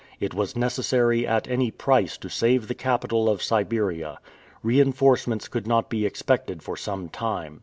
It was necessary at any price to save the capital of Siberia. Reinforcements could not be expected for some time.